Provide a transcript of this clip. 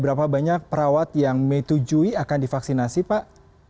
berapa banyak perawat yang metujui akan divaksinasi pak